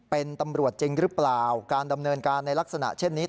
เป็นตำรวจจริงหรือเปล่าการดำเนินการในลักษณะเช่นนี้